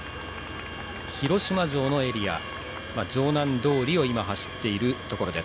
広島城のエリア城南通りを走っているところです。